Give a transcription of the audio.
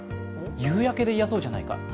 夕焼けで癒やそうじゃないか。